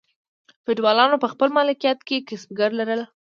فیوډالانو په خپل مالکیت کې کسبګر لرل.